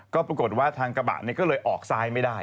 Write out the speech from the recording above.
ก็ปรากฏว่าทางกระบะก็เลยออกซ้ายไม่ได้